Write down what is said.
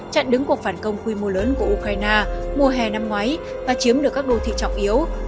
chặn đứng cuộc phản công quy mô lớn của ukraine mùa hè năm ngoái và chiếm được các đô thị trọng yếu